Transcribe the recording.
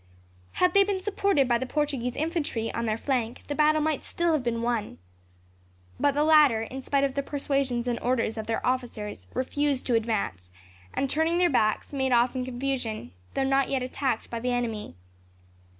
Had they been supported by the Portuguese infantry, on their flank, the battle might still have been won. But the latter, in spite of the persuasions and orders of their officers, refused to advance, and, turning their backs, made off in confusion, although not yet attacked by the enemy.